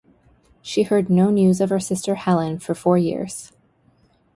She heard no news of her sister Helen for four years.